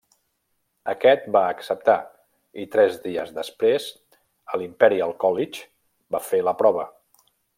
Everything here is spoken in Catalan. Aquest va acceptar i, tres dies després, a l'Imperial College, va fer la prova.